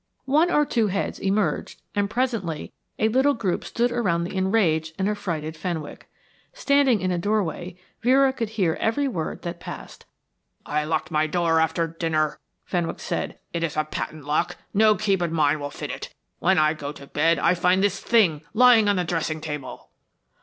One or two heads emerged, and presently a little group stood around the enraged and affrighted Fenwick. Standing in a doorway, Vera could hear every word that passed. "I locked my door after dinner," Fenwick said. "It is a patent lock, no key but mine will fit it. When I go to bed I find this thing lying on the dressing table."